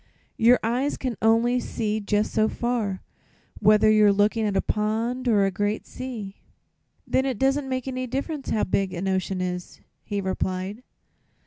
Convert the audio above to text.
"Your eyes can only see jus' so far, whether you're lookin' at a pond or a great sea." "Then it doesn't make any difference how big an ocean is," he replied.